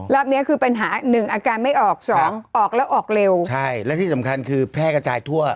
เนี้ยคือปัญหาหนึ่งอาการไม่ออกสองออกแล้วออกเร็วใช่และที่สำคัญคือแพร่กระจายทั่ว